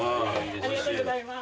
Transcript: ありがとうございます。